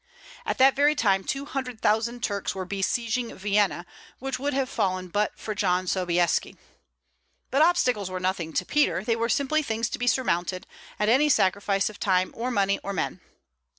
At that very time two hundred thousand Turks were besieging Vienna, which would have fallen but for John Sobieski. But obstacles were nothing to Peter; they were simply things to be surmounted, at any sacrifice of time or money or men.